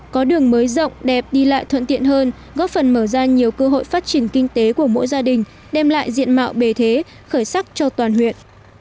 có đường mới rộng đẹp đi lại thuận tiện hơn góp phần mở ra nhiều cơ hội phát triển kinh tế của mỗi gia đình đem lại diện mạo bề thế khởi sắc cho toàn huyện